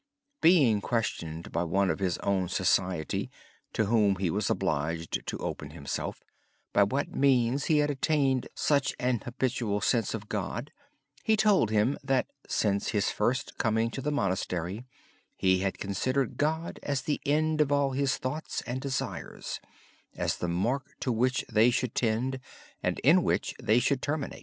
Being questioned by one of his own community (to whom he was obliged to open himself) by what means he had attained such an habitual sense of God, Brother Lawrence told him that, since his first coming to the monastery, he had considered God as the end of all his thoughts and desires, as the mark to which they should tend, and in which they should terminate.